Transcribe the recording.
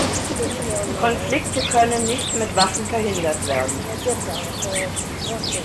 Konflikte können nicht mit Waffen verhindert werden.